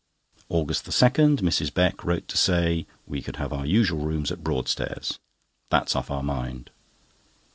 AUGUST 2.—Mrs. Beck wrote to say we could have our usual rooms at Broadstairs. That's off our mind.